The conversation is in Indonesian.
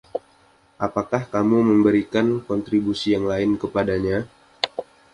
Apakah kamu memberikan kontribusi yang lain kepadanya?